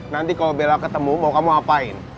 nanti kalo bella ketemu mau kamu apain